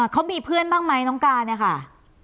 เขามีเพื่อนบ้างไหมน้องการเนี่ยค่ะ